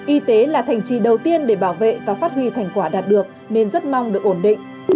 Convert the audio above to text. y tế là thành trì đầu tiên để bảo vệ và phát huy thành quả đạt được nên rất mong được ổn định